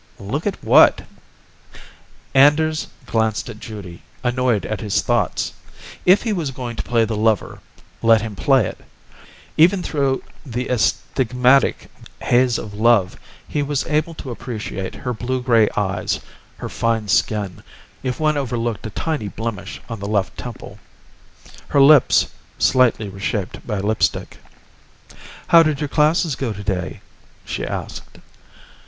Look at what? Anders glanced at Judy, annoyed at his thoughts. If he was going to play the lover, let him play it. Even through the astigmatic haze of love, he was able to appreciate her blue gray eyes, her fine skin (if one overlooked a tiny blemish on the left temple), her lips, slightly reshaped by lipstick. "How did your classes go today?" she asked.